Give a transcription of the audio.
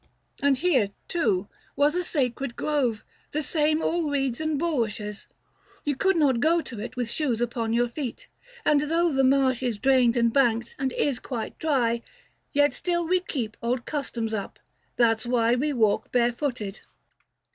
And here, too, was a sacred grove, the same All reeds and bulrushes ; you could not go To it with shoes upon your feet ; and though The marsh is drained and banked, and is quite dry, 485 Yet still we keep old customs up ; that's why We walk barefooted."